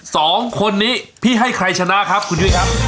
ช่วยพี่ไปคอคบิจารณ์หน่อย